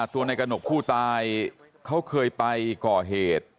ตัวในกระหนกผู้ตายเขาเคยไปก่อเหตุ